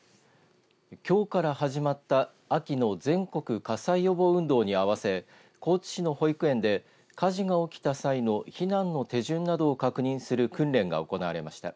きょうから始まった秋の全国火災予防運動に合わせ高知市の保育園で火事が起きた際の避難の手順などを確認する訓練が行われました。